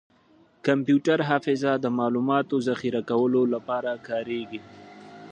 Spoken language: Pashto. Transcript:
کمپیوټر حافظه د معلوماتو ذخیره کولو لپاره کارېږي.